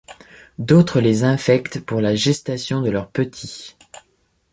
D'autres les infectent pour la gestation de leurs petits.